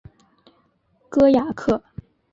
戈雅克。